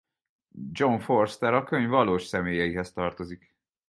John Forster a könyv valós személyeihez tartozik.